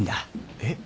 えっ？